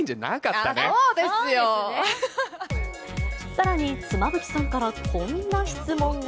さらに妻夫木さんからこんな質問が。